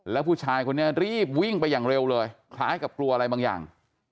แล้วผู้ชายคนนี้รีบวิ่งไปอย่างเร็วเลยคล้ายกับกลัวอะไรบางอย่าง